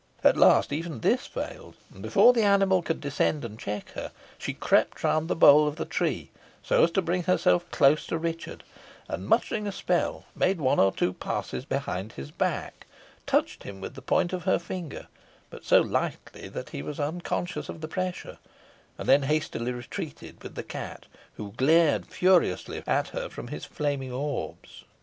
At last even this failed, and before the animal could descend and check her, she crept round the bole of the tree, so as to bring herself close to Richard, and muttering a spell, made one or two passes behind his back, touched him with the point of her finger, but so lightly that he was unconscious of the pressure, and then hastily retreated with the cat, who glared furiously at her from his flaming orbs.